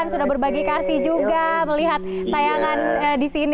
sudah berbagi kasih juga melihat tayangan di sini